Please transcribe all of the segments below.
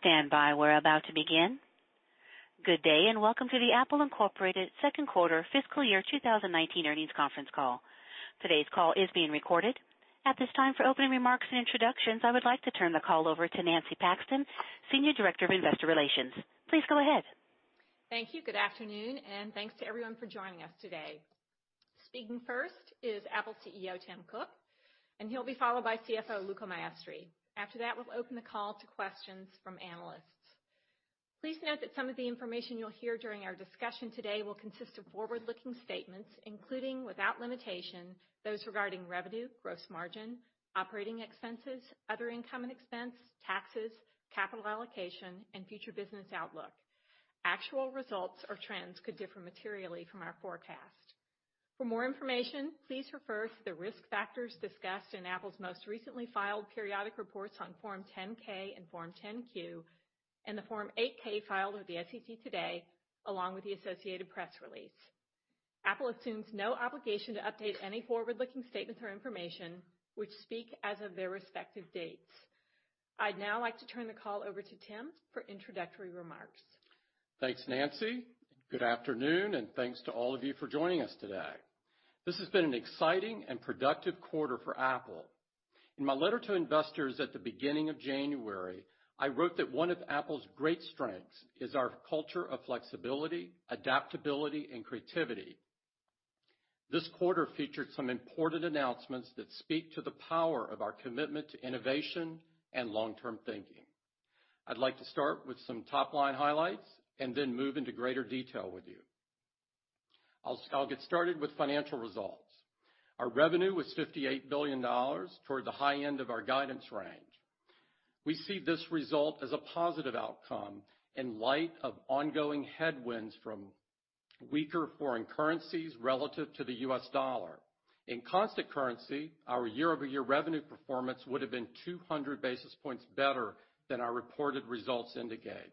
Stand by. We're about to begin. Good day, and welcome to the Apple Inc. second quarter fiscal year 2019 earnings conference call. Today's call is being recorded. At this time, for opening remarks and introductions, I would like to turn the call over to Nancy Paxton, Senior Director of Investor Relations. Please go ahead. Thank you. Good afternoon, thanks to everyone for joining us today. Speaking first is Apple CEO, Tim Cook, he'll be followed by CFO, Luca Maestri. After that, we'll open the call to questions from analysts. Please note that some of the information you'll hear during our discussion today will consist of forward-looking statements, including, without limitation, those regarding revenue, gross margin, operating expenses, other income and expense, taxes, capital allocation, and future business outlook. Actual results or trends could differ materially from our forecast. For more information, please refer to the risk factors discussed in Apple's most recently filed periodic reports on Form 10-K and Form 10-Q, and the Form 8-K filed with the SEC today, along with the associated press release. Apple assumes no obligation to update any forward-looking statements or information, which speak as of their respective dates. I'd now like to turn the call over to Tim for introductory remarks. Thanks, Nancy. Good afternoon, thanks to all of you for joining us today. This has been an exciting and productive quarter for Apple. In my letter to investors at the beginning of January, I wrote that one of Apple's great strengths is our culture of flexibility, adaptability, and creativity. This quarter featured some important announcements that speak to the power of our commitment to innovation and long-term thinking. I'd like to start with some top-line highlights, then move into greater detail with you. I'll get started with financial results. Our revenue was $58 billion, toward the high end of our guidance range. We see this result as a positive outcome in light of ongoing headwinds from weaker foreign currencies relative to the US dollar. In constant currency, our year-over-year revenue performance would have been 200 basis points better than our reported results indicate.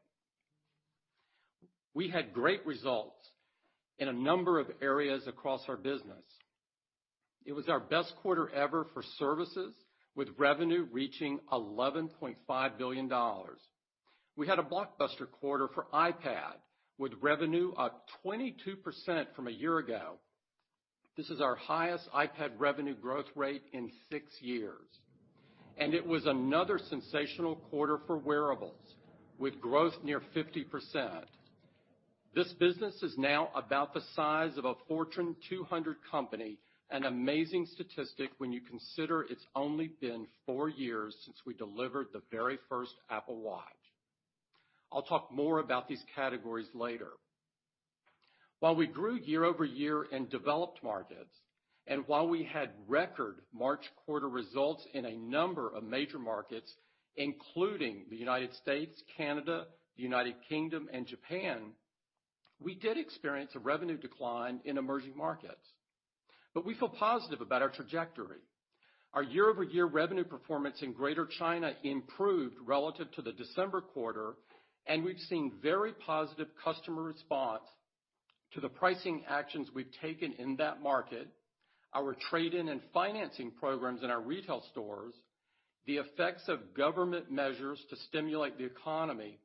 We had great results in a number of areas across our business. It was our best quarter ever for services, with revenue reaching $11.5 billion. We had a blockbuster quarter for iPad, with revenue up 22% from a year ago. This is our highest iPad revenue growth rate in six years. It was another sensational quarter for wearables, with growth near 50%. This business is now about the size of a Fortune 200 company, an amazing statistic when you consider it's only been four years since we delivered the very first Apple Watch. I'll talk more about these categories later. While we grew year-over-year in developed markets, and while we had record March quarter results in a number of major markets, including the U.S., Canada, the U.K., and Japan, we did experience a revenue decline in emerging markets. We feel positive about our trajectory. Our year-over-year revenue performance in Greater China improved relative to the December quarter. We've seen very positive customer response to the pricing actions we've taken in that market, our trade-in and financing programs in our retail stores, the effects of government measures to stimulate the economy,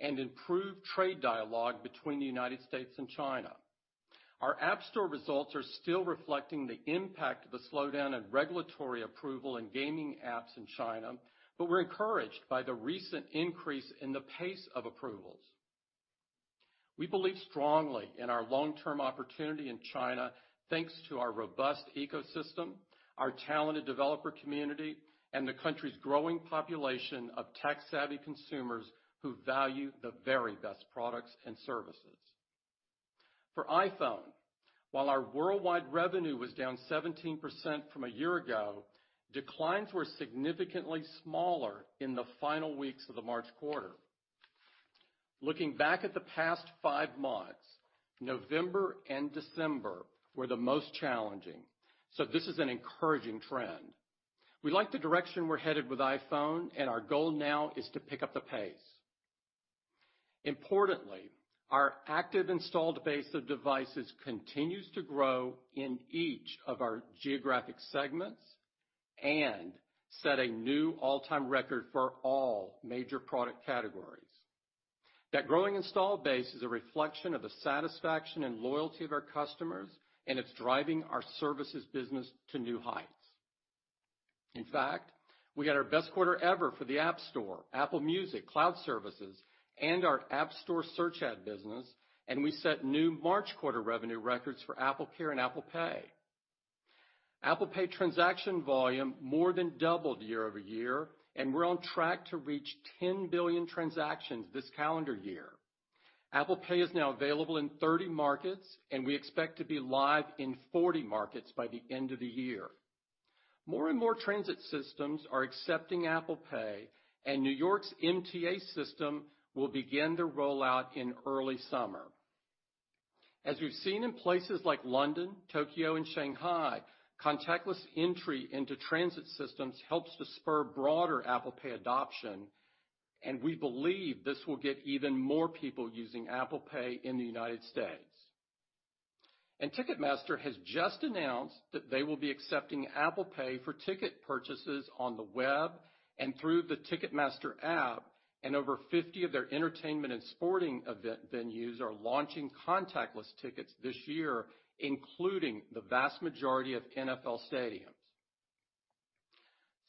and improve trade dialogue between the U.S. and China. Our App Store results are still reflecting the impact of a slowdown in regulatory approval in gaming apps in China. We're encouraged by the recent increase in the pace of approvals. We believe strongly in our long-term opportunity in China, thanks to our robust ecosystem, our talented developer community, and the country's growing population of tech-savvy consumers who value the very best products and services. For iPhone, while our worldwide revenue was down 17% from a year ago, declines were significantly smaller in the final weeks of the March quarter. Looking back at the past five months, November and December were the most challenging. This is an encouraging trend. We like the direction we're headed with iPhone. Our goal now is to pick up the pace. Importantly, our active installed base of devices continues to grow in each of our geographic segments and set a new all-time record for all major product categories. That growing installed base is a reflection of the satisfaction and loyalty of our customers, and it's driving our services business to new heights. In fact, we had our best quarter ever for the App Store, Apple Music, cloud services, and our App Store search ad business, and we set new March quarter revenue records for AppleCare and Apple Pay. Apple Pay transaction volume more than doubled year-over-year, and we're on track to reach 10 billion transactions this calendar year. Apple Pay is now available in 30 markets. We expect to be live in 40 markets by the end of the year. More and more transit systems are accepting Apple Pay. New York's MTA system will begin their rollout in early summer. As we've seen in places like London, Tokyo, and Shanghai, contactless entry into transit systems helps to spur broader Apple Pay adoption. We believe this will get even more people using Apple Pay in the U.S. Ticketmaster has just announced that they will be accepting Apple Pay for ticket purchases on the web and through the Ticketmaster app. Over 50 of their entertainment and sporting event venues are launching contactless tickets this year, including the vast majority of NFL stadiums.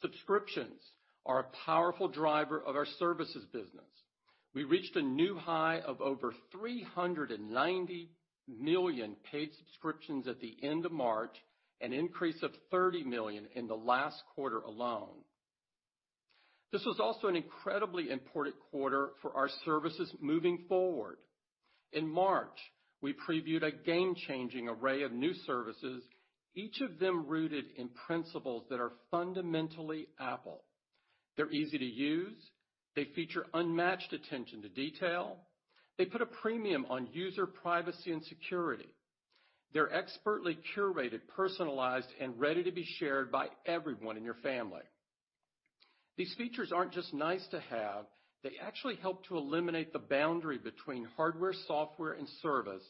Subscriptions are a powerful driver of our services business. We reached a new high of over $390 million paid subscriptions at the end of March, an increase of $30 million in the last quarter alone. This was also an incredibly important quarter for our services moving forward. In March, we previewed a game-changing array of new services, each of them rooted in principles that are fundamentally Apple. They're easy to use. They feature unmatched attention to detail. They put a premium on user privacy and security. They're expertly curated, personalized, and ready to be shared by everyone in your family. These features aren't just nice to have. They actually help to eliminate the boundary between hardware, software, and service,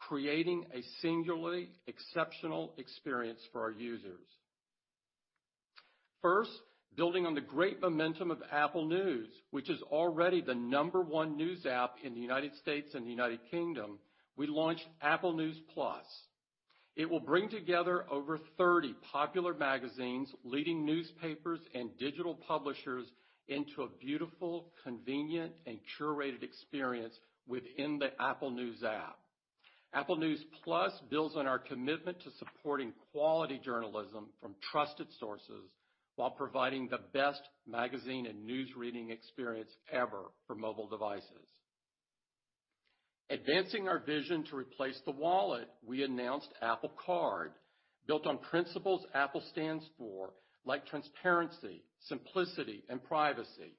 creating a singularly exceptional experience for our users. First, building on the great momentum of Apple News, which is already the number one news app in the U.S. and the U.K., we launched Apple News+. It will bring together over 30 popular magazines, leading newspapers, and digital publishers into a beautiful, convenient, and curated experience within the Apple News app. Apple News+ builds on our commitment to supporting quality journalism from trusted sources while providing the best magazine and news reading experience ever for mobile devices. Advancing our vision to replace the wallet, we announced Apple Card, built on principles Apple stands for, like transparency, simplicity, and privacy.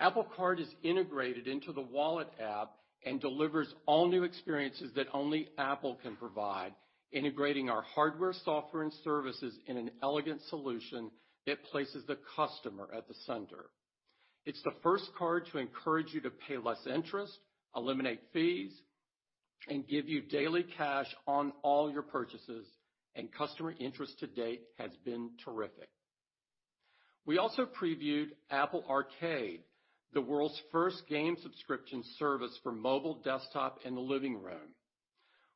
Apple Card is integrated into the Apple Wallet app and delivers all new experiences that only Apple can provide, integrating our hardware, software, and services in an elegant solution that places the customer at the center. It's the first card to encourage you to pay less interest, eliminate fees, and give you daily cash on all your purchases. Customer interest to date has been terrific. We also previewed Apple Arcade, the world's first game subscription service for mobile, desktop, and the living room.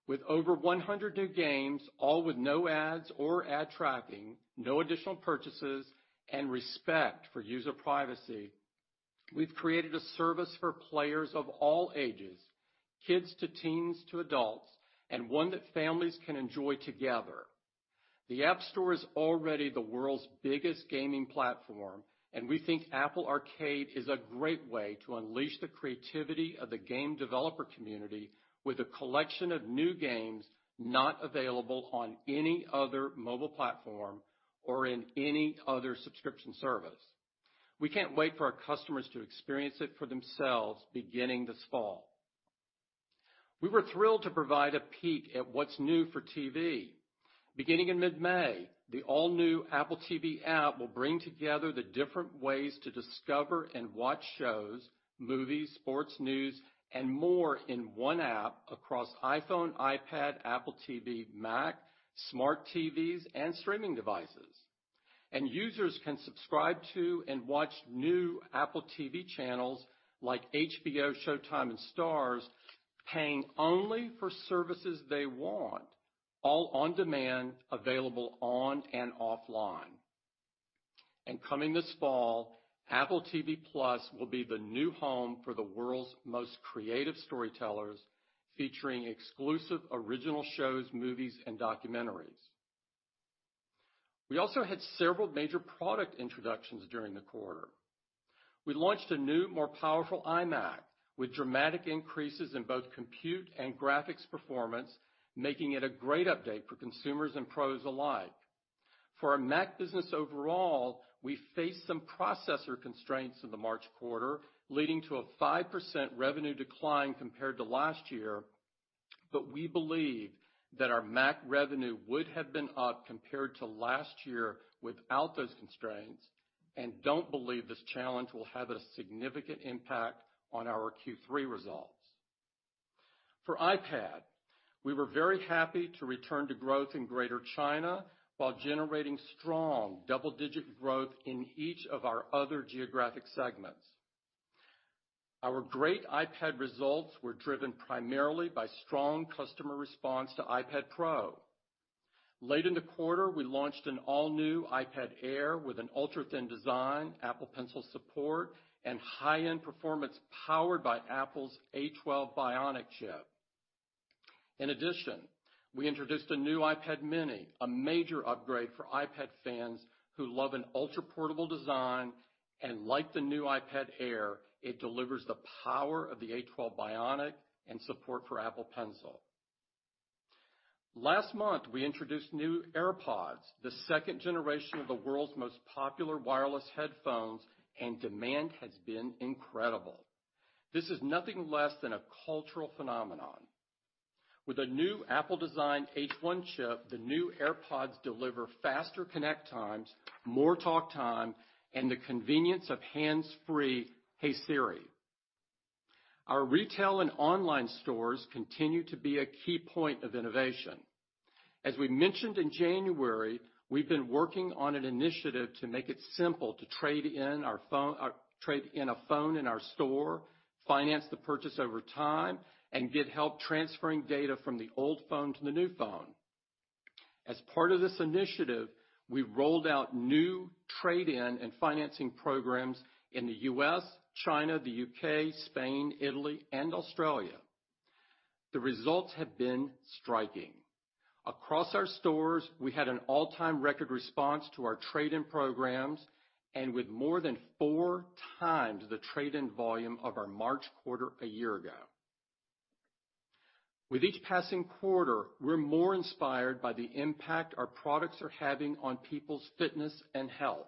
With over 100 new games, all with no ads or ad tracking, no additional purchases, and respect for user privacy, we've created a service for players of all ages, kids to teens to adults, and one that families can enjoy together. The App Store is already the world's biggest gaming platform. We think Apple Arcade is a great way to unleash the creativity of the game developer community with a collection of new games not available on any other mobile platform or in any other subscription service. We can't wait for our customers to experience it for themselves beginning this fall. We were thrilled to provide a peek at what's new for TV. Beginning in mid-May, the all-new Apple TV app will bring together the different ways to discover and watch shows, movies, sports, news, and more in one app across iPhone, iPad, Apple TV, Mac, smart TVs, and streaming devices. Users can subscribe to and watch new Apple TV channels like HBO, Showtime, and Starz, paying only for services they want, all on demand, available on and offline. Coming this fall, Apple TV+ will be the new home for the world's most creative storytellers, featuring exclusive original shows, movies, and documentaries. We also had several major product introductions during the quarter. We launched a new, more powerful iMac with dramatic increases in both compute and graphics performance, making it a great update for consumers and pros alike. For our Mac business overall, we faced some processor constraints in the March quarter, leading to a 5% revenue decline compared to last year, but we believe that our Mac revenue would have been up compared to last year without those constraints and don't believe this challenge will have a significant impact on our Q3 results. For iPad, we were very happy to return to growth in Greater China while generating strong double-digit growth in each of our other geographic segments. Our great iPad results were driven primarily by strong customer response to iPad Pro. Late in the quarter, we launched an all-new iPad Air with an ultra-thin design, Apple Pencil support, and high-end performance powered by Apple's A12 Bionic chip. We introduced a new iPad mini, a major upgrade for iPad fans who love an ultra-portable design, and like the new iPad Air, it delivers the power of the A12 Bionic and support for Apple Pencil. Last month, we introduced new AirPods, the second generation of the world's most popular wireless headphones, and demand has been incredible. This is nothing less than a cultural phenomenon. With a new Apple-designed H1 chip, the new AirPods deliver faster connect times, more talk time, and the convenience of hands-free "Hey Siri." Our retail and online stores continue to be a key point of innovation. As we mentioned in January, we've been working on an initiative to make it simple to trade in a phone in our store, finance the purchase over time, and get help transferring data from the old phone to the new phone. As part of this initiative, we rolled out new trade-in and financing programs in the U.S., China, the U.K., Spain, Italy, and Australia. The results have been striking. Across our stores, we had an all-time record response to our trade-in programs and with more than four times the trade-in volume of our March quarter a year ago. With each passing quarter, we're more inspired by the impact our products are having on people's fitness and health.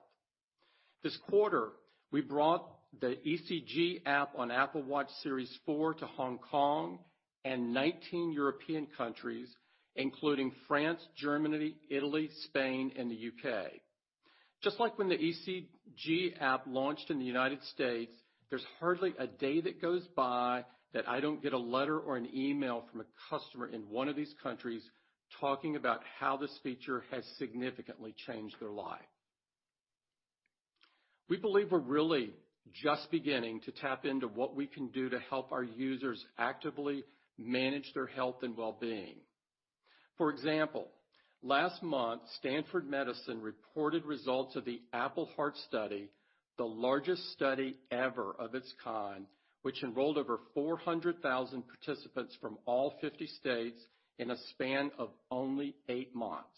This quarter, we brought the ECG app on Apple Watch Series 4 to Hong Kong and 19 European countries, including France, Germany, Italy, Spain, and the U.K. Just like when the ECG app launched in the United States, there's hardly a day that goes by that I don't get a letter or an email from a customer in one of these countries talking about how this feature has significantly changed their life. We believe we're really just beginning to tap into what we can do to help our users actively manage their health and well-being. For example, last month, Stanford Medicine reported results of the Apple Heart Study, the largest study ever of its kind, which enrolled over 400,000 participants from all 50 states in a span of only eight months.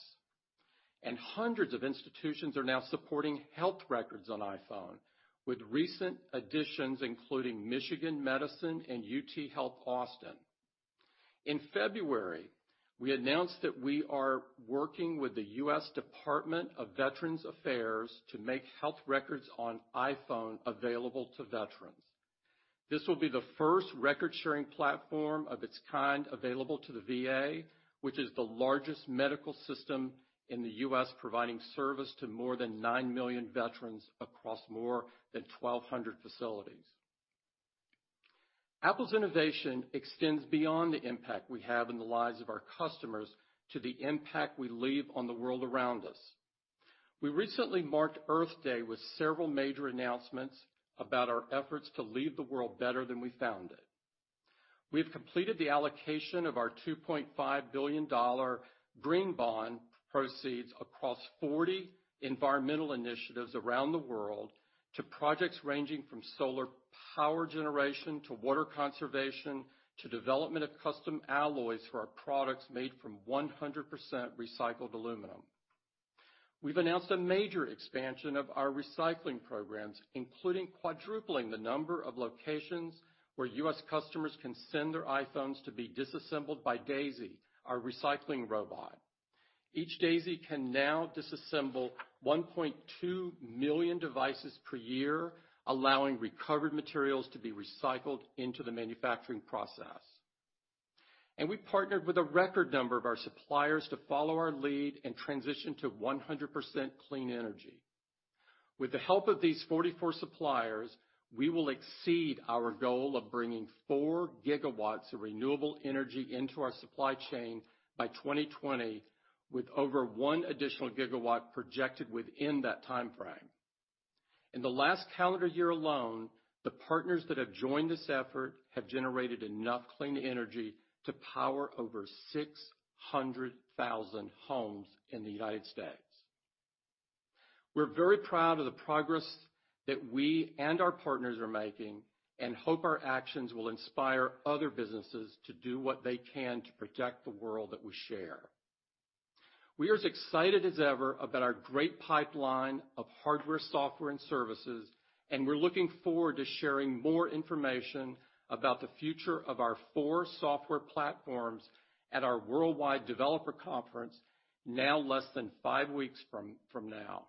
Hundreds of institutions are now supporting health records on iPhone, with recent additions including Michigan Medicine and UT Health Austin. In February, we announced that we are working with the U.S. Department of Veterans Affairs to make health records on iPhone available to veterans. This will be the first record-sharing platform of its kind available to the VA, which is the largest medical system in the U.S., providing service to more than nine million veterans across more than 1,200 facilities. Apple's innovation extends beyond the impact we have in the lives of our customers to the impact we leave on the world around us. We recently marked Earth Day with several major announcements about our efforts to leave the world better than we found it. We've completed the allocation of our $2.5 billion green bond proceeds across 40 environmental initiatives around the world to projects ranging from solar power generation, to water conservation, to development of custom alloys for our products made from 100% recycled aluminum. We've announced a major expansion of our recycling programs, including quadrupling the number of locations where U.S. customers can send their iPhones to be disassembled by Daisy, our recycling robot. Each Daisy can now disassemble 1.2 million devices per year, allowing recovered materials to be recycled into the manufacturing process. We partnered with a record number of our suppliers to follow our lead and transition to 100% clean energy. With the help of these 44 suppliers, we will exceed our goal of bringing four gigawatts of renewable energy into our supply chain by 2020, with over one additional gigawatt projected within that time frame. In the last calendar year alone, the partners that have joined this effort have generated enough clean energy to power over 600,000 homes in the United States. We're very proud of the progress that we and our partners are making and hope our actions will inspire other businesses to do what they can to protect the world that we share. We are as excited as ever about our great pipeline of hardware, software, and services, and we're looking forward to sharing more information about the future of our four software platforms at our Worldwide Developers Conference, now less than five weeks from now.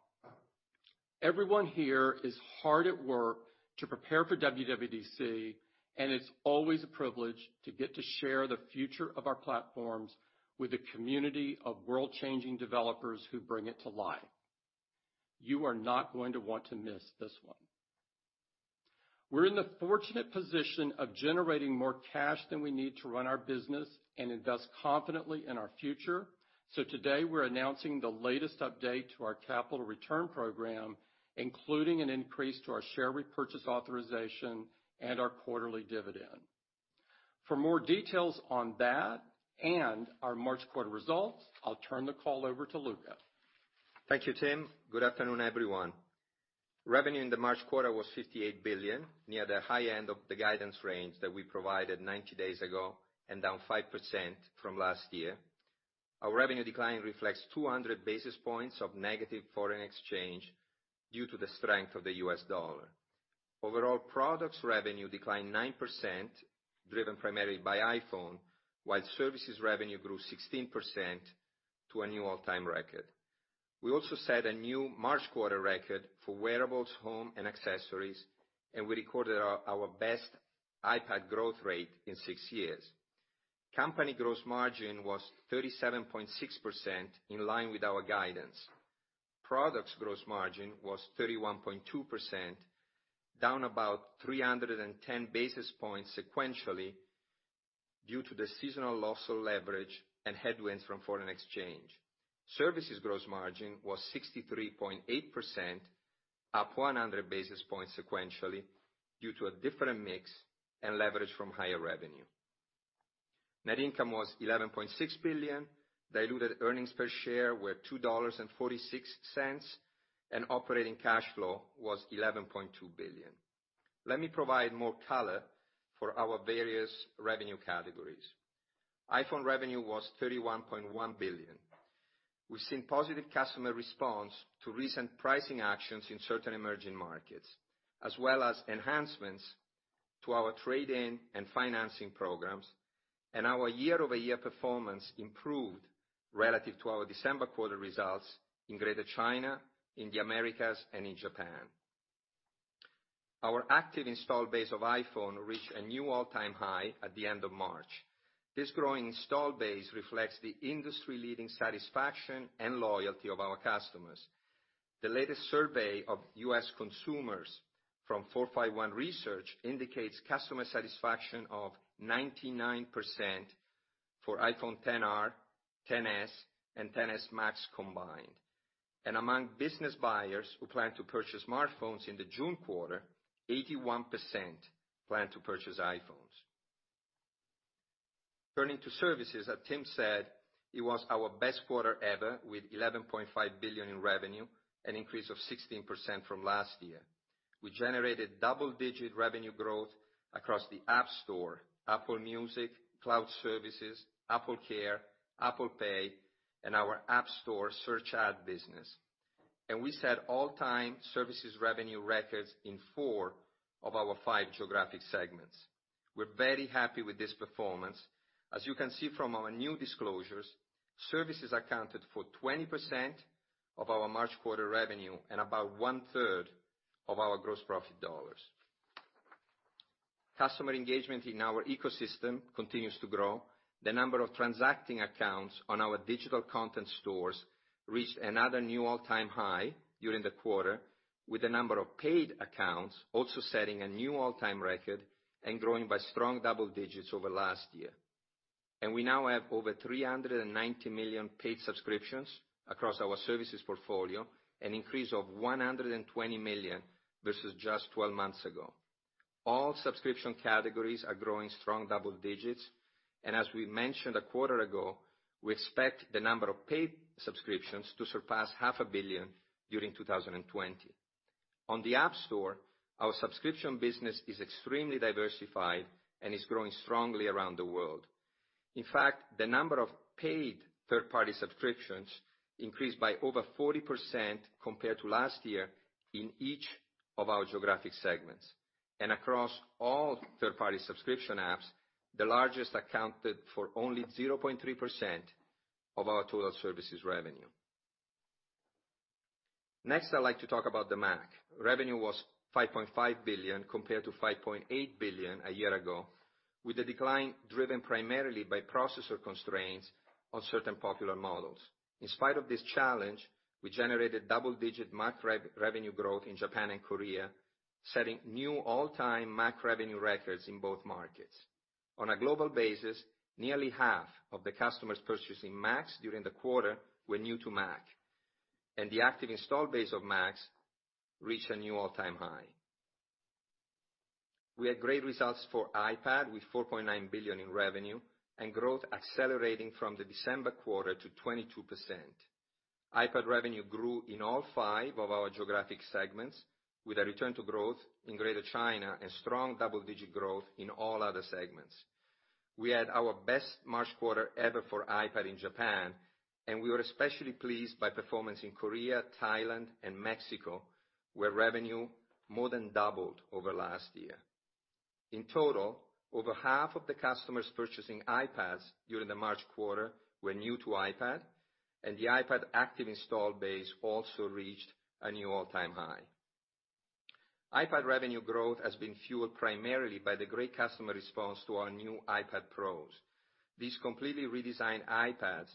Everyone here is hard at work to prepare for WWDC, and it's always a privilege to get to share the future of our platforms with a community of world-changing developers who bring it to life. You are not going to want to miss this one. We're in the fortunate position of generating more cash than we need to run our business and invest confidently in our future. Today, we're announcing the latest update to our capital return program, including an increase to our share repurchase authorization and our quarterly dividend. For more details on that and our March quarter results, I'll turn the call over to Luca. Thank you, Tim. Good afternoon, everyone. Revenue in the March quarter was $58 billion, near the high end of the guidance range that we provided 90 days ago and down 5% from last year. Our revenue decline reflects 200 basis points of negative foreign exchange due to the strength of the U.S. dollar. Overall products revenue declined 9%, driven primarily by iPhone, while services revenue grew 16% to a new all-time record. We also set a new March quarter record for wearables, home, and accessories. We recorded our best iPad growth rate in six years. Company gross margin was 37.6%, in line with our guidance. Products gross margin was 31.2%, down about 310 basis points sequentially due to the seasonal loss of leverage and headwinds from foreign exchange. Services gross margin was 63.8%, up 100 basis points sequentially due to a different mix and leverage from higher revenue. Net income was $11.6 billion. Diluted earnings per share were $2.46. Operating cash flow was $11.2 billion. Let me provide more color for our various revenue categories. iPhone revenue was $31.1 billion. We've seen positive customer response to recent pricing actions in certain emerging markets, as well as enhancements to our trade-in and financing programs. Our year-over-year performance improved relative to our December quarter results in Greater China, in the Americas, and in Japan. Our active install base of iPhone reached a new all-time high at the end of March. This growing install base reflects the industry-leading satisfaction and loyalty of our customers. The latest survey of U.S. consumers from 451 Research indicates customer satisfaction of 99% for iPhone XR, XS, and XS Max combined. Among business buyers who plan to purchase smartphones in the June quarter, 81% plan to purchase iPhones. Turning to services, as Tim said, it was our best quarter ever, with $11.5 billion in revenue, an increase of 16% from last year. We generated double-digit revenue growth across the App Store, Apple Music, Cloud Services, AppleCare, Apple Pay, and our App Store search ad business. We set all-time services revenue records in four of our five geographic segments. We're very happy with this performance. As you can see from our new disclosures, services accounted for 20% of our March quarter revenue and about one-third of our gross profit dollars. Customer engagement in our ecosystem continues to grow. The number of transacting accounts on our digital content stores reached another new all-time high during the quarter, with the number of paid accounts also setting a new all-time record and growing by strong double digits over last year. We now have over 390 million paid subscriptions across our services portfolio, an increase of 120 million versus just 12 months ago. All subscription categories are growing strong double digits, as we mentioned a quarter ago, we expect the number of paid subscriptions to surpass half a billion during 2020. On the App Store, our subscription business is extremely diversified and is growing strongly around the world. In fact, the number of paid third-party subscriptions increased by over 40% compared to last year in each of our geographic segments. Across all third-party subscription apps, the largest accounted for only 0.3% of our total services revenue. Next, I'd like to talk about the Mac. Revenue was $5.5 billion compared to $5.8 billion a year ago, with the decline driven primarily by processor constraints on certain popular models. In spite of this challenge, we generated double-digit Mac revenue growth in Japan and Korea, setting new all-time Mac revenue records in both markets. On a global basis, nearly half of the customers purchasing Macs during the quarter were new to Mac, and the active install base of Macs reached a new all-time high. We had great results for iPad with $4.9 billion in revenue and growth accelerating from the December quarter to 22%. iPad revenue grew in all five of our geographic segments with a return to growth in Greater China and strong double-digit growth in all other segments. We had our best March quarter ever for iPad in Japan, and we were especially pleased by performance in Korea, Thailand, and Mexico, where revenue more than doubled over last year. In total, over half of the customers purchasing iPads during the March quarter were new to iPad, and the iPad active install base also reached a new all-time high. iPad revenue growth has been fueled primarily by the great customer response to our new iPad Pros. These completely redesigned iPads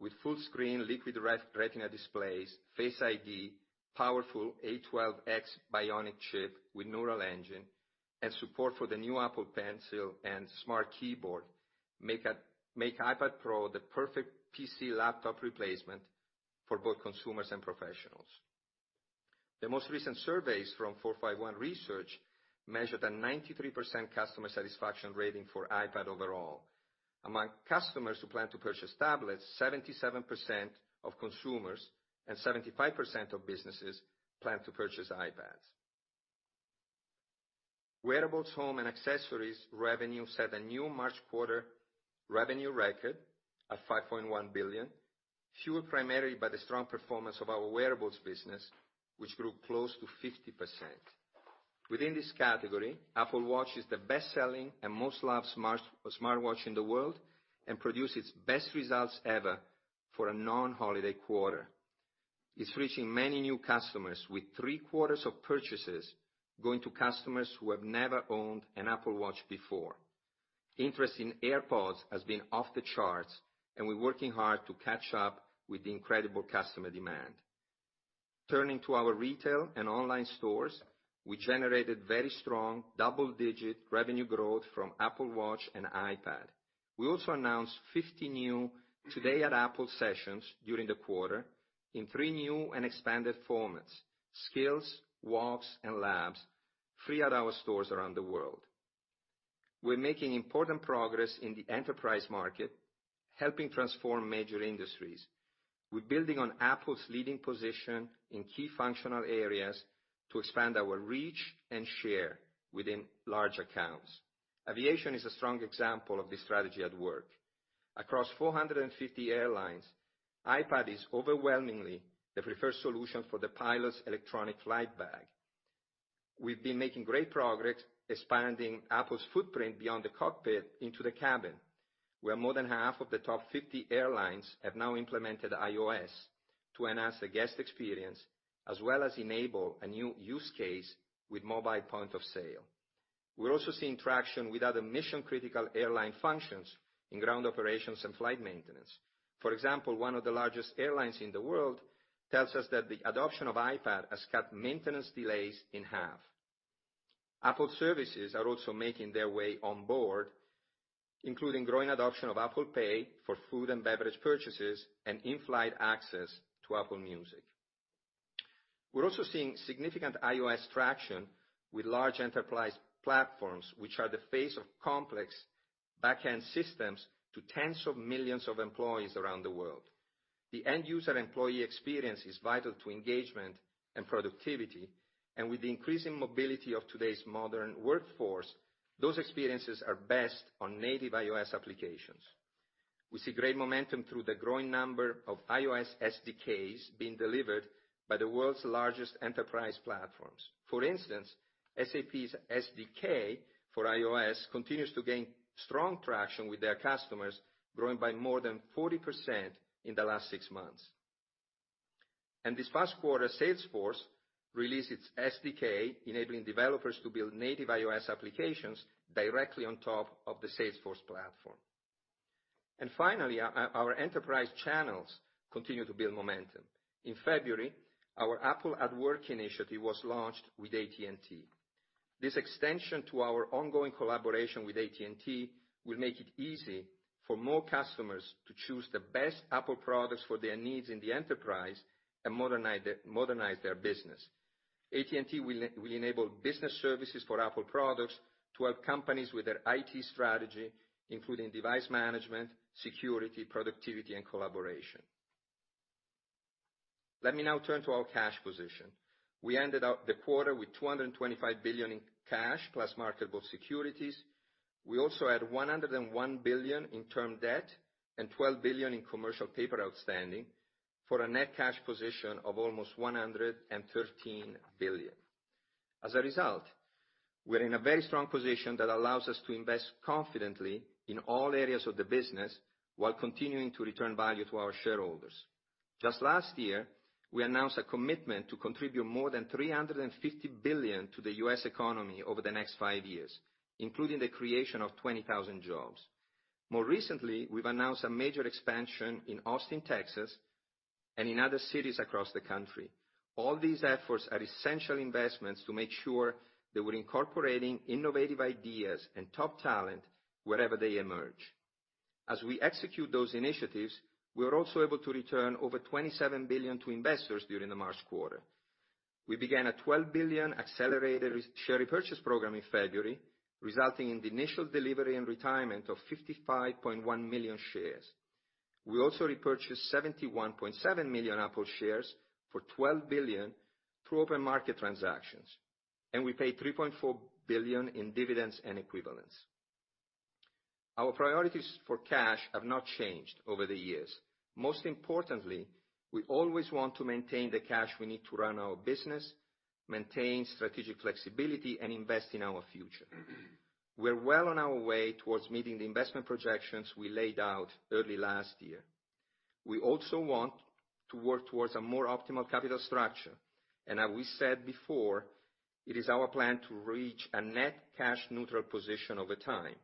with full-screen Liquid Retina displays, Face ID, powerful A12X Bionic chip with Neural Engine, and support for the new Apple Pencil and Smart Keyboard, make iPad Pro the perfect PC laptop replacement for both consumers and professionals. The most recent surveys from 451 Research measured a 93% customer satisfaction rating for iPad overall. Among customers who plan to purchase tablets, 77% of consumers and 75% of businesses plan to purchase iPads. Wearables, home, and accessories revenue set a new March quarter revenue record at $5.1 billion, fueled primarily by the strong performance of our wearables business, which grew close to 50%. Within this category, Apple Watch is the best-selling and most loved smartwatch in the world and produced its best results ever for a non-holiday quarter, reaching many new customers with three quarters of purchases going to customers who have never owned an Apple Watch before. Interest in AirPods has been off the charts, and we're working hard to catch up with the incredible customer demand. Turning to our retail and online stores, we generated very strong double-digit revenue growth from Apple Watch and iPad. We also announced 50 new Today at Apple sessions during the quarter in three new and expanded formats: skills, walks, and labs, three at our stores around the world. We're making important progress in the enterprise market, helping transform major industries. We're building on Apple's leading position in key functional areas to expand our reach and share within large accounts. Aviation is a strong example of this strategy at work. Across 450 airlines, iPad is overwhelmingly the preferred solution for the pilot's electronic flight bag. We've been making great progress expanding Apple's footprint beyond the cockpit into the cabin, where more than half of the top 50 airlines have now implemented iOS to enhance the guest experience, as well as enable a new use case with mobile point of sale. We're also seeing traction with other mission-critical airline functions in ground operations and flight maintenance. For example, one of the largest airlines in the world tells us that the adoption of iPad has cut maintenance delays in half. Apple services are also making their way on board, including growing adoption of Apple Pay for food and beverage purchases and in-flight access to Apple Music. We're also seeing significant iOS traction with large enterprise platforms, which are the face of complex backend systems to tens of millions of employees around the world. The end-user employee experience is vital to engagement and productivity, and with the increasing mobility of today's modern workforce, those experiences are best on native iOS applications. We see great momentum through the growing number of iOS SDKs being delivered by the world's largest enterprise platforms. For instance, SAP's SDK for iOS continues to gain strong traction with their customers, growing by more than 40% in the last six months. This past quarter, Salesforce released its SDK, enabling developers to build native iOS applications directly on top of the Salesforce platform. Finally, our enterprise channels continue to build momentum. In February, our Apple at Work initiative was launched with AT&T. This extension to our ongoing collaboration with AT&T will make it easy for more customers to choose the best Apple products for their needs in the enterprise and modernize their business. AT&T will enable business services for Apple products to help companies with their IT strategy, including device management, security, productivity, and collaboration. Let me now turn to our cash position. We ended out the quarter with $225 billion in cash plus marketable securities. We also had $101 billion in term debt and $12 billion in commercial paper outstanding for a net cash position of almost $113 billion. As a result, we're in a very strong position that allows us to invest confidently in all areas of the business while continuing to return value to our shareholders. Just last year, we announced a commitment to contribute more than $350 billion to the U.S. economy over the next five years, including the creation of 20,000 jobs. More recently, we've announced a major expansion in Austin, Texas, and in other cities across the country. All these efforts are essential investments to make sure that we're incorporating innovative ideas and top talent wherever they emerge. As we execute those initiatives, we are also able to return over $27 billion to investors during the March quarter. We began a $12 billion accelerated share repurchase program in February, resulting in the initial delivery and retirement of 55.1 million shares. We also repurchased 71.7 million Apple shares for $12 billion through open market transactions, and we paid $3.4 billion in dividends and equivalents. Our priorities for cash have not changed over the years. Most importantly, we always want to maintain the cash we need to run our business, maintain strategic flexibility, and invest in our future. We're well on our way towards meeting the investment projections we laid out early last year. We also want to work towards a more optimal capital structure, and as we said before, it is our plan to reach a net cash neutral position over time.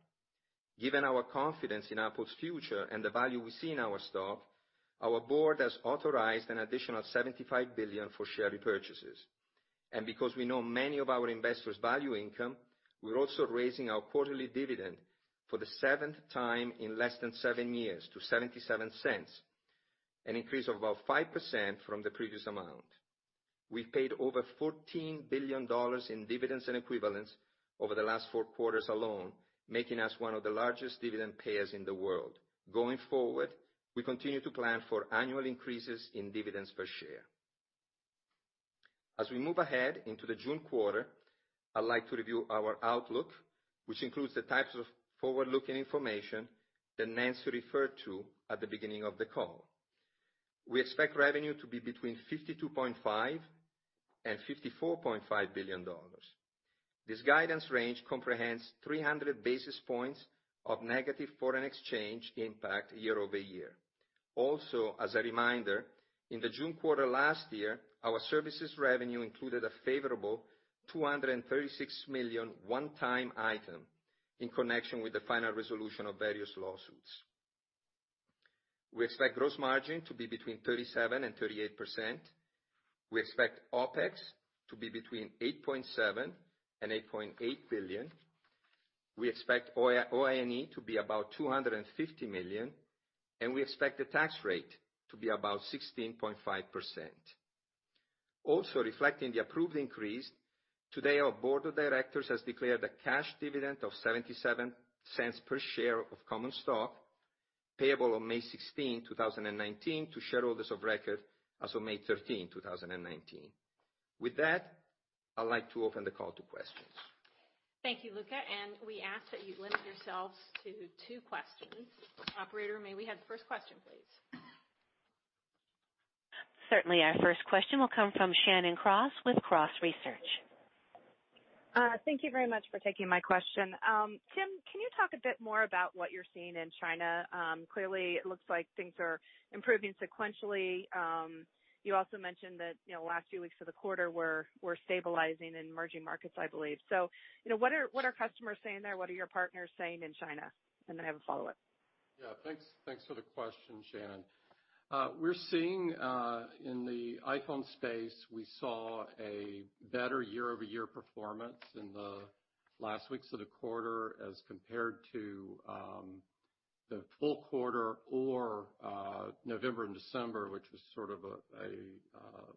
Given our confidence in Apple's future and the value we see in our stock, our board has authorized an additional $75 billion for share repurchases. And because we know many of our investors value income, we're also raising our quarterly dividend for the seventh time in less than seven years to $0.77, an increase of about 5% from the previous amount. We paid over $14 billion in dividends and equivalents over the last four quarters alone, making us one of the largest dividend payers in the world. Going forward, we continue to plan for annual increases in dividends per share. As we move ahead into the June quarter, I'd like to review our outlook, which includes the types of forward-looking information that Nancy referred to at the beginning of the call. We expect revenue to be between $52.5 billion-$54.5 billion. This guidance range comprehends 300 basis points of negative foreign exchange impact year-over-year. Also, as a reminder, in the June quarter last year, our services revenue included a favorable $236 million one-time item in connection with the final resolution of various lawsuits. We expect gross margin to be between 37%-38%. We expect OpEx to be between $8.7 billion-$8.8 billion. We expect OIE to be about $250 million. We expect the tax rate to be about 16.5%. Also reflecting the approved increase, today our board of directors has declared a cash dividend of $0.77 per share of common stock, payable on May 16th, 2019, to shareholders of record as of May 13th, 2019. With that, I'd like to open the call to questions. Thank you, Luca. We ask that you limit yourselves to two questions. Operator, may we have the first question, please? Certainly. Our first question will come from Shannon Cross with Cross Research. Thank you very much for taking my question. Tim, can you talk a bit more about what you're seeing in China? Clearly, it looks like things are improving sequentially. You also mentioned that last few weeks of the quarter were stabilizing in emerging markets, I believe. What are customers saying there? What are your partners saying in China? I have a follow-up. Yeah. Thanks for the question, Shannon. We're seeing in the iPhone space, we saw a better year-over-year performance in the last weeks of the quarter as compared to the full quarter, or November and December, which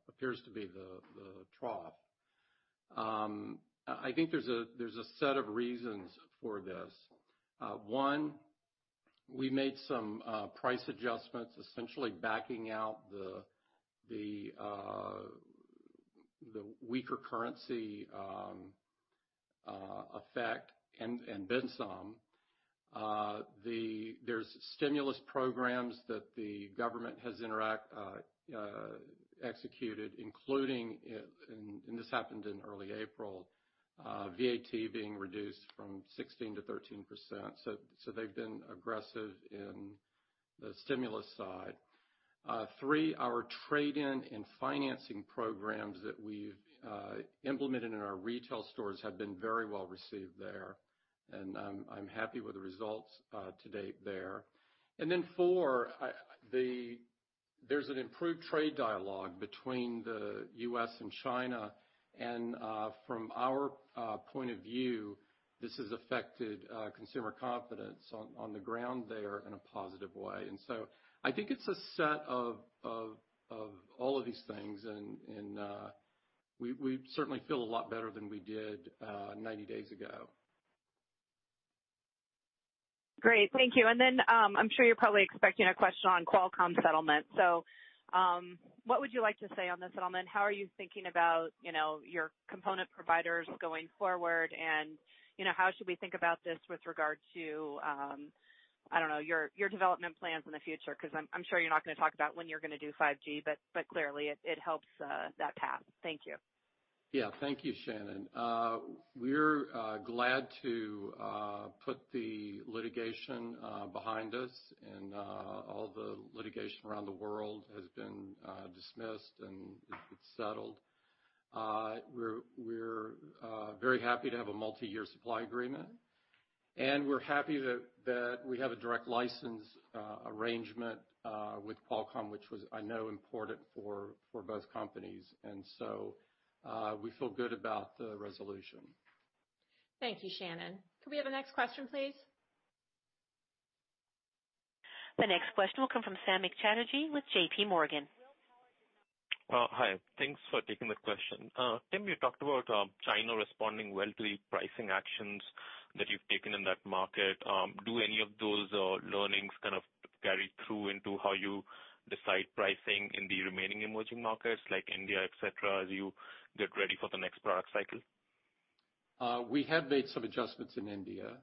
appears to be the trough. I think there's a set of reasons for this. One, we made some price adjustments, essentially backing out the weaker currency effect and then some. There's stimulus programs that the government has executed, including, and this happened in early April, VAT being reduced from 16% to 13%. They've been aggressive in the stimulus side. Three, our trade-in and financing programs that we've implemented in our retail stores have been very well received there, and I'm happy with the results to date there. Four, there's an improved trade dialogue between the U.S. and China, and from our point of view, this has affected consumer confidence on the ground there in a positive way. I think it's a set of all of these things, and we certainly feel a lot better than we did 90 days ago. Great. Thank you. I'm sure you're probably expecting a question on Qualcomm settlement. What would you like to say on the settlement? How are you thinking about your component providers going forward? How should we think about this with regard to, I don't know, your development plans in the future? Because I'm sure you're not going to talk about when you're going to do 5G, but clearly it helps that path. Thank you. Thank you, Shannon. We're glad to put the litigation behind us and all the litigation around the world has been dismissed, and it's settled. We're very happy to have a multi-year supply agreement, and we're happy that we have a direct license arrangement with Qualcomm, which was, I know, important for both companies. We feel good about the resolution. Thank you, Shannon. Could we have the next question, please? The next question will come from Samik Chatterjee with JPMorgan. Hi. Thanks for taking the question. Tim, you talked about China responding well to the pricing actions that you've taken in that market. Do any of those learnings carry through into how you decide pricing in the remaining emerging markets like India, et cetera, as you get ready for the next product cycle? We have made some adjustments in India,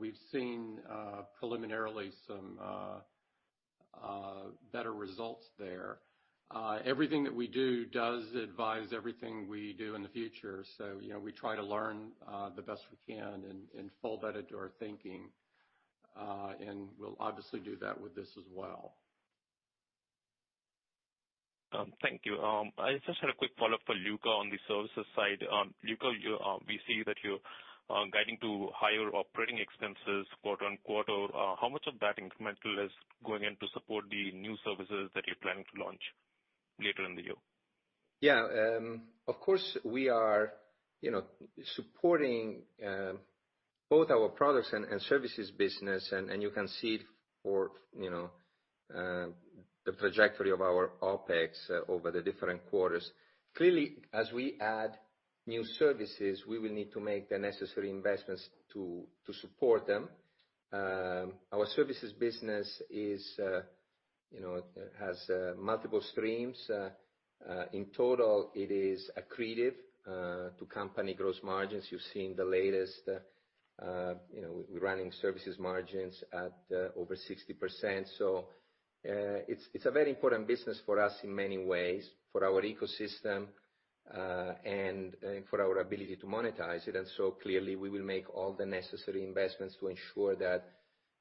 We've seen preliminarily some better results there. Everything that we do does advise everything we do in the future. We try to learn the best we can and fold that into our thinking, and we'll obviously do that with this as well. Thank you. I just had a quick follow-up for Luca on the services side. Luca, we see that you are guiding to higher operating expenses quarter-on-quarter. How much of that incremental is going in to support the new services that you're planning to launch later in the year? Yeah. Of course, we are supporting both our products and services business, and you can see it for the trajectory of our OpEx over the different quarters. Clearly, as we add new services, we will need to make the necessary investments to support them. Our services business has multiple streams. In total, it is accretive to company gross margins. You've seen the latest. We're running services margins at over 60%. It's a very important business for us in many ways, for our ecosystem, and for our ability to monetize it. Clearly, we will make all the necessary investments to ensure that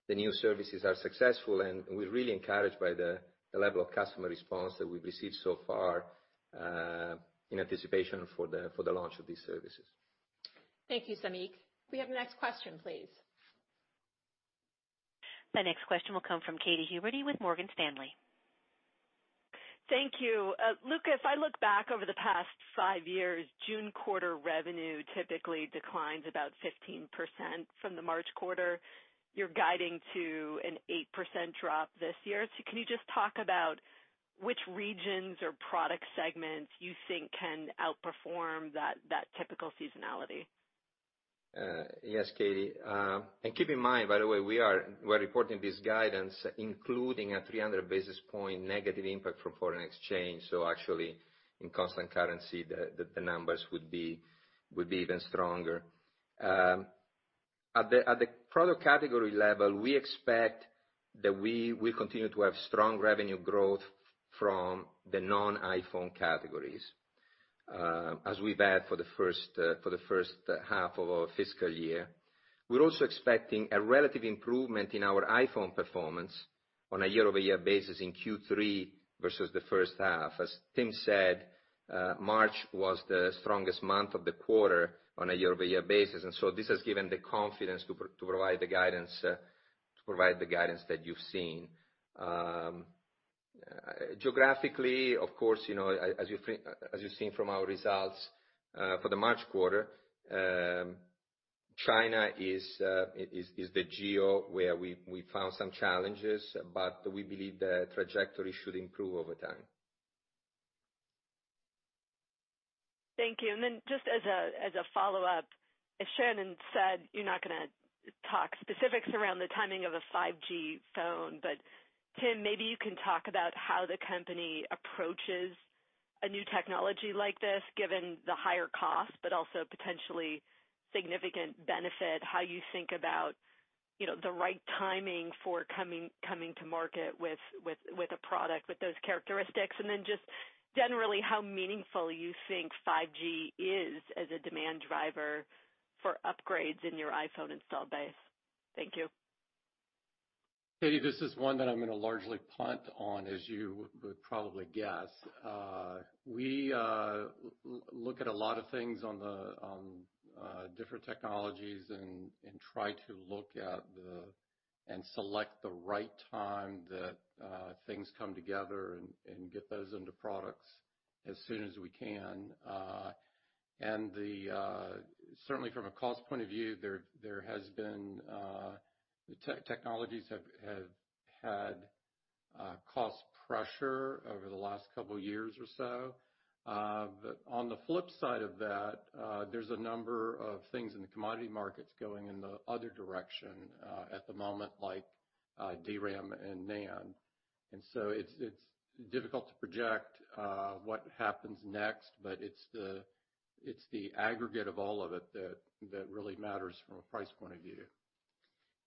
the new services are successful. We're really encouraged by the level of customer response that we've received so far in anticipation for the launch of these services. Thank you, Samik. Can we have the next question, please? The next question will come from Katy Huberty with Morgan Stanley. Thank you. Luca, if I look back over the past five years, June quarter revenue typically declines about 15% from the March quarter. You're guiding to an 8% drop this year. Can you just talk about which regions or product segments you think can outperform that typical seasonality? Yes, Katy. Keep in mind, by the way, we're reporting this guidance including a 300 basis point negative impact from foreign exchange. Actually, in constant currency, the numbers would be even stronger. At the product category level, we expect that we will continue to have strong revenue growth from the non-iPhone categories, as we've had for the first half of our fiscal year. We're also expecting a relative improvement in our iPhone performance on a year-over-year basis in Q3 versus the first half. As Tim said, March was the strongest month of the quarter on a year-over-year basis, this has given the confidence to provide the guidance that you've seen. Geographically, of course, as you've seen from our results for the March quarter, China is the geo where we found some challenges, we believe the trajectory should improve over time. Thank you. Just as a follow-up, as Shannon said, you're not going to talk specifics around the timing of a 5G phone. Tim, maybe you can talk about how the company approaches a new technology like this, given the higher cost, also potentially significant benefit, how you think about the right timing for coming to market with a product with those characteristics. Then just generally, how meaningful you think 5G is as a demand driver for upgrades in your iPhone install base. Thank you. Katy, this is one that I'm going to largely punt on, as you would probably guess. We look at a lot of things on different technologies and try to look at and select the right time that things come together and get those into products as soon as we can. Certainly, from a cost point of view, technologies have had cost pressure over the last couple of years or so. On the flip side of that, there's a number of things in the commodity markets going in the other direction at the moment, like DRAM and NAND. It's difficult to project what happens next, but it's the aggregate of all of it that really matters from a price point of view.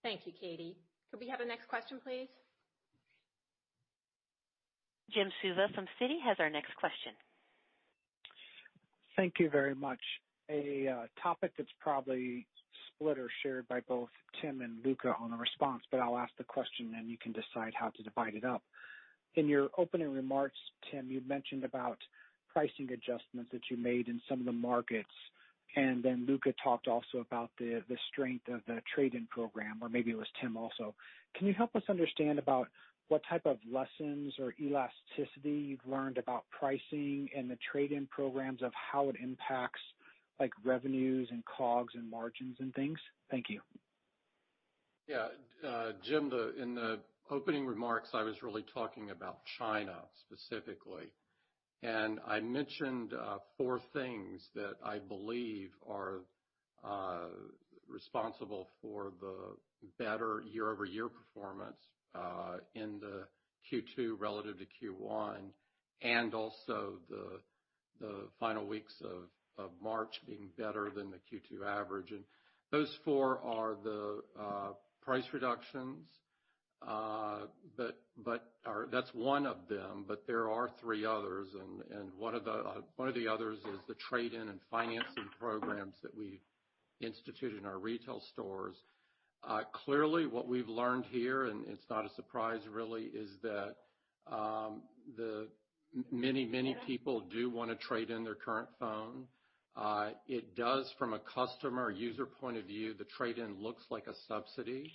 Thank you, Katy. Could we have the next question, please? Jim Suva from Citi has our next question. Thank you very much. A topic that's probably split or shared by both Tim and Luca on the response, I'll ask the question, and you can decide how to divide it up. In your opening remarks, Tim, you mentioned about pricing adjustments that you made in some of the markets, Luca talked also about the strength of the trade-in program, or maybe it was Tim also. Can you help us understand about what type of lessons or elasticity you've learned about pricing and the trade-in programs of how it impacts revenues, and COGS, and margins, and things? Thank you. Yeah. Jim, in the opening remarks, I was really talking about China specifically. I mentioned four things that I believe are responsible for the better year-over-year performance in the Q2 relative to Q1, and also the final weeks of March being better than the Q2 average. Those four are the price reductions. That's one of them, but there are three others, and one of the others is the trade-in and financing programs that we institute in our retail stores. Clearly, what we've learned here, and it's not a surprise, really, is that many people do want to trade in their current phone. It does, from a customer user point of view, the trade-in looks like a subsidy.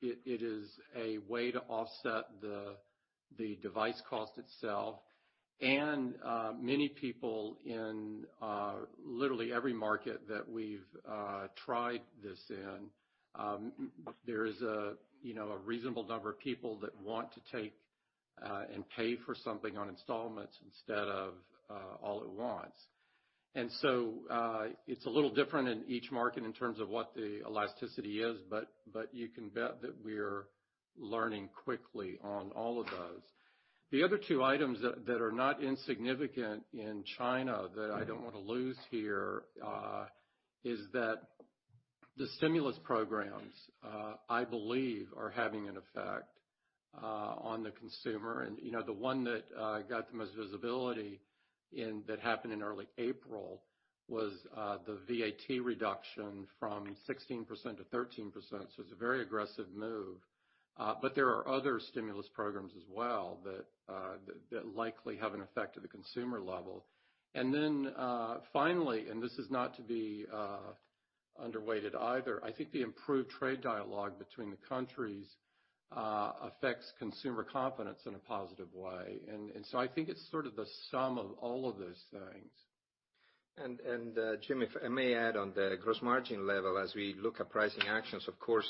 It is a way to offset the device cost itself. Many people in literally every market that we've tried this in, there is a reasonable number of people that want to take and pay for something on installments instead of all at once. It's a little different in each market in terms of what the elasticity is, but you can bet that we're learning quickly on all of those. The other two items that are not insignificant in China that I don't want to lose here, is that the stimulus programs, I believe are having an effect on the consumer. The one that got the most visibility that happened in early April was the VAT reduction from 16% to 13%. It's a very aggressive move. There are other stimulus programs as well that likely have an effect at the consumer level. Finally, and this is not to be under-weighted either, I think the improved trade dialogue between the countries affects consumer confidence in a positive way. I think it's sort of the sum of all of those things. Jim, if I may add on the gross margin level, as we look at pricing actions, of course,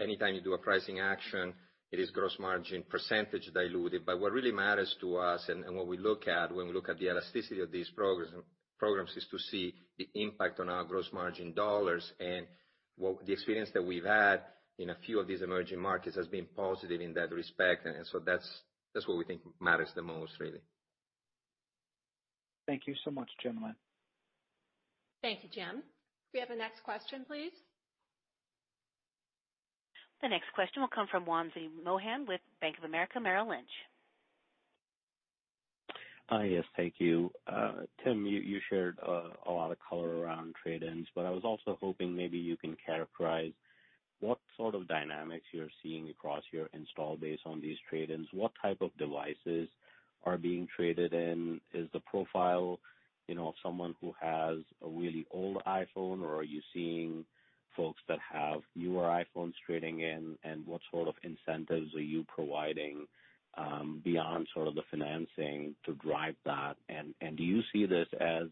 anytime you do a pricing action, it is gross margin percentage diluted. What really matters to us and what we look at when we look at the elasticity of these programs, is to see the impact on our gross margin dollars. The experience that we've had in a few of these emerging markets has been positive in that respect. That's what we think matters the most, really. Thank you so much, gentlemen. Thank you, Jim. Could we have the next question, please? The next question will come from Wamsi Mohan with Bank of America Merrill Lynch. Hi, yes, thank you. Tim, you shared a lot of color around trade-ins, but I was also hoping maybe you can characterize what sort of dynamics you're seeing across your install base on these trade-ins. What type of devices are being traded in? Is the profile of someone who has a really old iPhone, or are you seeing folks that have newer iPhones trading in, and what sort of incentives are you providing, beyond the financing to drive that? Do you see this as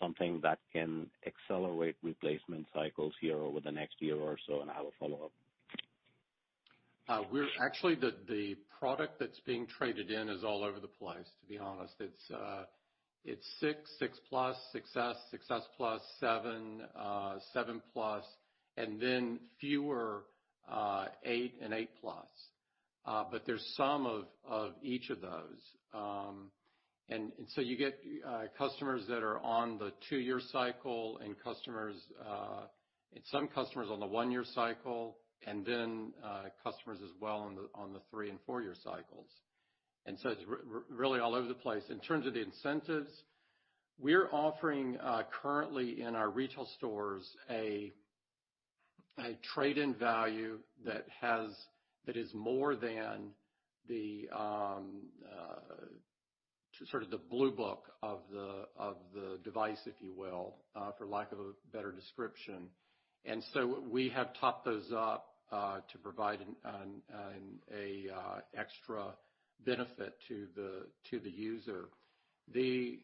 something that can accelerate replacement cycles here over the next year or so? I have a follow-up. Actually, the product that's being traded in is all over the place, to be honest. It's 6 Plus, 6s Plus, 7 Plus, then fewer 8 and 8 Plus. There's some of each of those. You get customers that are on the two-year cycle and some customers on the one-year cycle, then customers as well on the three and four-year cycles. It's really all over the place. In terms of the incentives, we're offering, currently in our retail stores, a trade-in value that is more than the blue book of the device, if you will, for lack of a better description. We have topped those up to provide an extra benefit to the user. The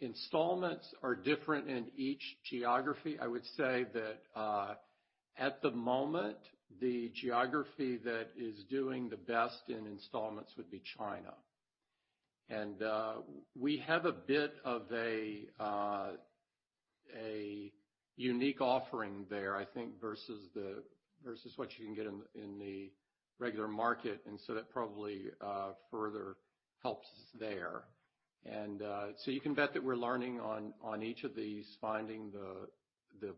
installments are different in each geography. I would say that at the moment, the geography that is doing the best in installments would be China. We have a bit of a unique offering there, I think, versus what you can get in the regular market, so that probably further helps us there. You can bet that we're learning on each of these, finding the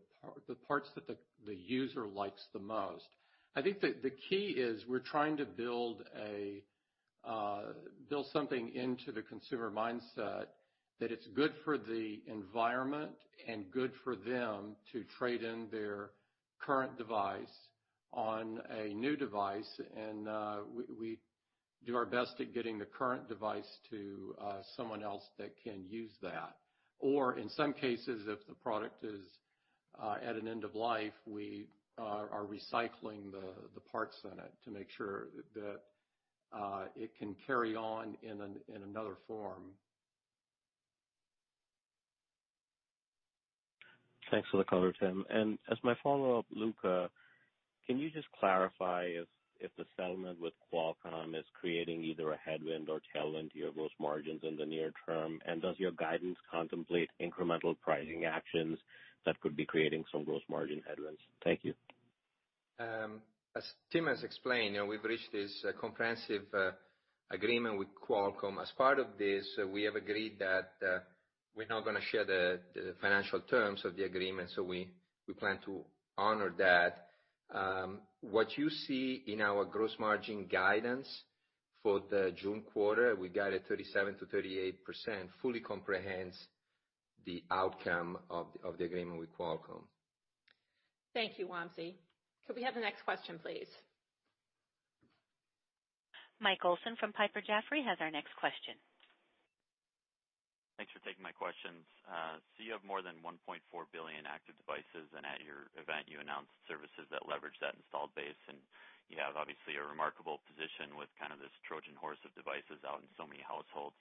parts that the user likes the most. I think that the key is we're trying to build something into the consumer mindset that it's good for the environment and good for them to trade in their current device on a new device. We do our best at getting the current device to someone else that can use that. In some cases, if the product is at an end of life, we are recycling the parts in it to make sure that it can carry on in another form. Thanks for the color, Tim. As my follow-up, Luca, can you just clarify if the settlement with Qualcomm is creating either a headwind or tailwind to your gross margins in the near term? Does your guidance contemplate incremental pricing actions that could be creating some gross margin headwinds? Thank you. As Tim has explained, we've reached this comprehensive agreement with Qualcomm. As part of this, we have agreed that we're not going to share the financial terms of the agreement. We plan to honor that. What you see in our gross margin guidance for the June quarter, we guide at 37%-38%, fully comprehends the outcome of the agreement with Qualcomm. Thank you, Wamsi. Could we have the next question, please? Mike Olson from Piper Jaffray has our next question. Thanks for taking my questions. You have more than 1.4 billion active devices, and at your event, you announced services that leverage that installed base. You have obviously a remarkable position with this Trojan horse of devices out in so many households.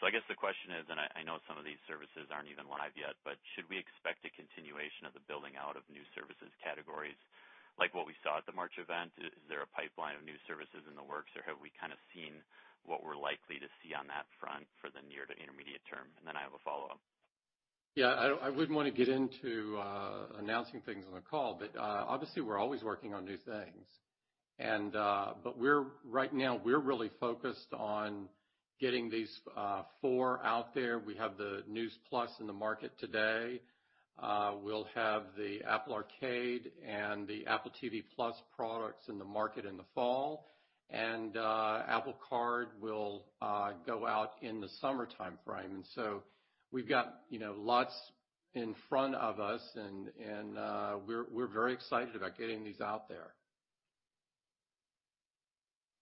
I guess the question is, I know some of these services aren't even live yet, but should we expect a continuation of the building out of new services categories, like what we saw at the March event? Is there a pipeline of new services in the works, or have we seen what we're likely to see on that front for the near to intermediate term? I have a follow-up. I wouldn't want to get into announcing things on the call, obviously we're always working on new things. Right now, we're really focused on getting these four out there. We have the Apple News+ in the market today. We'll have the Apple Arcade and the Apple TV+ products in the market in the fall, Apple Card will go out in the summertime frame. We've got lots in front of us and we're very excited about getting these out there.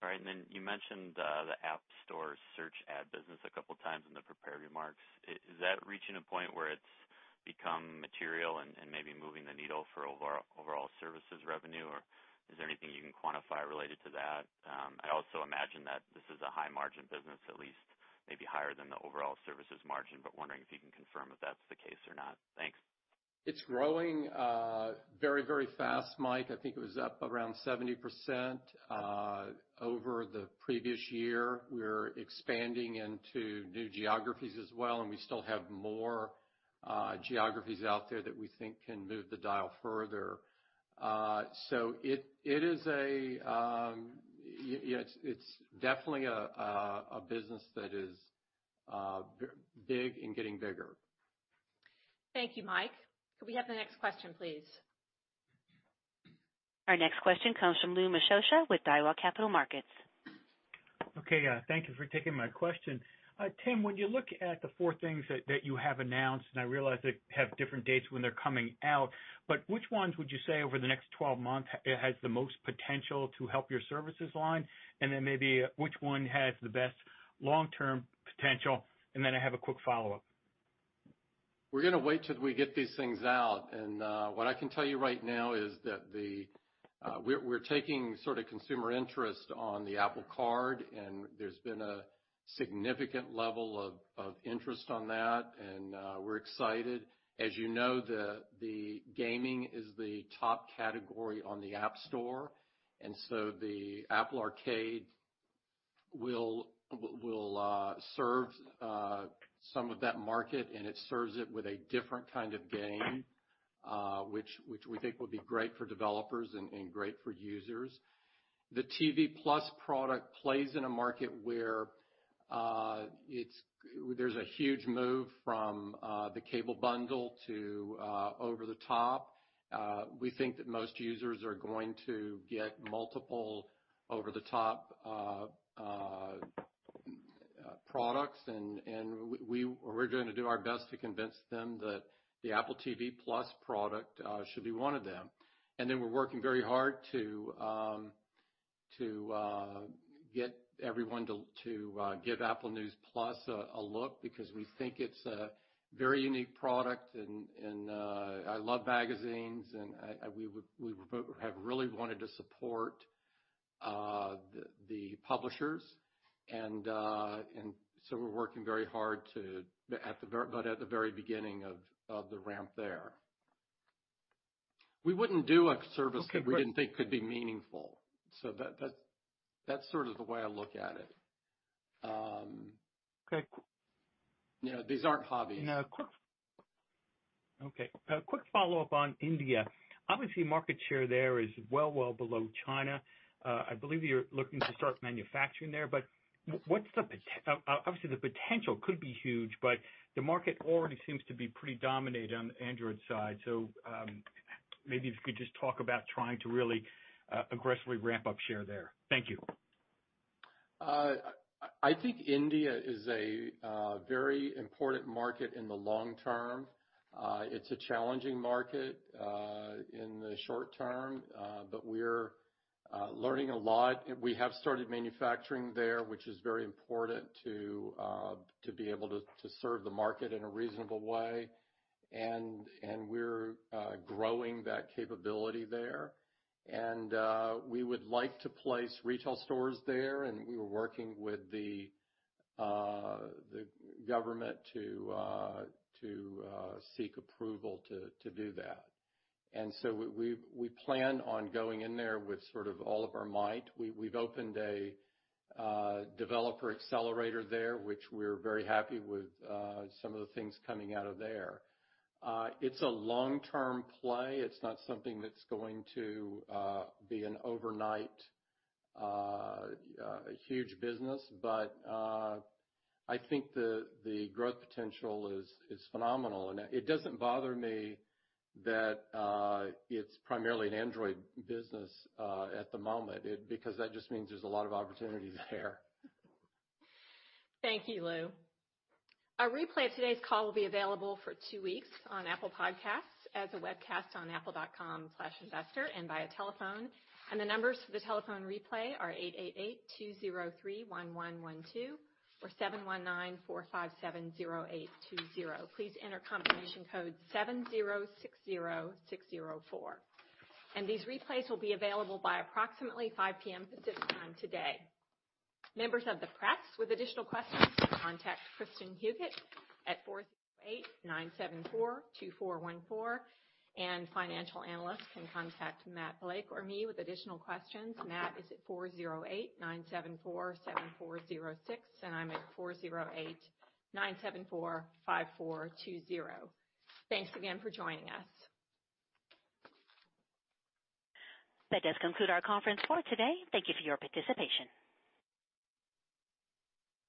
All right, you mentioned the App Store search ad business a couple times in the prepared remarks. Is that reaching a point where it's become material and maybe moving the needle for overall services revenue, or is there anything you can quantify related to that? I also imagine that this is a high margin business, at least maybe higher than the overall services margin, but wondering if you can confirm if that's the case or not. Thanks. It's growing very, very fast, Mike. I think it was up around 70% over the previous year. We're expanding into new geographies as well, we still have more geographies out there that we think can move the dial further. It's definitely a business that is big and getting bigger. Thank you, Mike. Could we have the next question, please? Our next question comes from Lou Miscioscia with Cowen and Company. Okay. Thank you for taking my question. Tim, when you look at the four things that you have announced, I realize they have different dates when they're coming out, which ones would you say over the next 12 months has the most potential to help your services line? Maybe which one has the best long-term potential? I have a quick follow-up. We're going to wait till we get these things out. What I can tell you right now is that we're taking sort of consumer interest on the Apple Card, there's been a significant level of interest on that and we're excited. As you know, the gaming is the top category on the App Store, the Apple Arcade will serve some of that market, it serves it with a different kind of game, which we think will be great for developers and great for users. The Apple TV+ product plays in a market where there's a huge move from the cable bundle to over-the-top. We think that most users are going to get multiple over-the-top products, we're going to do our best to convince them that the Apple TV+ product should be one of them. We're working very hard to get everyone to give Apple News+ a look because we think it's a very unique product. I love magazines, we have really wanted to support the publishers, we're working very hard to, at the very beginning of the ramp there. We wouldn't do a service that we didn't think could be meaningful. That's sort of the way I look at it. Okay. These aren't hobbies. Okay, a quick follow-up on India. Obviously, market share there is well below China. I believe you're looking to start manufacturing there. Obviously, the potential could be huge, but the market already seems to be pretty dominated on the Android side. Maybe if you could just talk about trying to really aggressively ramp up share there. Thank you. I think India is a very important market in the long term. It's a challenging market in the short term, but we're learning a lot. We have started manufacturing there, which is very important to be able to serve the market in a reasonable way, and we're growing that capability there. We would like to place retail stores there, and we were working with the government to seek approval to do that. We plan on going in there with sort of all of our might. We've opened a developer accelerator there, which we're very happy with some of the things coming out of there. It's a long-term play. It's not something that's going to be an overnight huge business. I think the growth potential is phenomenal, and it doesn't bother me that it's primarily an Android business at the moment, because that just means there's a lot of opportunity there. Thank you, Lou. A replay of today's call will be available for two weeks on Apple Podcasts, as a webcast on apple.com/investor, and via telephone. The numbers for the telephone replay are 888-203-1112 or 719-457-0820. Please enter confirmation code 7060604. These replays will be available by approximately 5:00 P.M. Pacific Time today. Members of the press with additional questions can contact Kristin Huggett at 408-974-2414, and financial analysts can contact Matt Blake or me with additional questions. Matt is at 408-974-7406, and I'm at 408-974-5420. Thanks again for joining us. That does conclude our conference for today. Thank you for your participation.